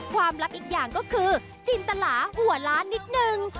ลับอีกอย่างก็คือจินตลาหัวล้านนิดนึง